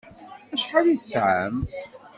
Acḥal i tesɛam?